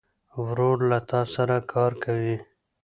ورور له تا سره کار کوي.